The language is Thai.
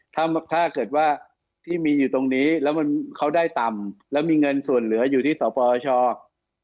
ถ้าเกิดว่าที่มีอยู่ตรงนี้แล้วมันเข้าได้ตำแล้วมีเงินส่วนเหลืออยู่ที่สารพวาลชอว์